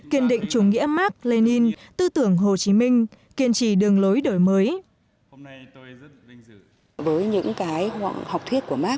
kiên định chủ nghĩa mark lenin tư tưởng hồ chí minh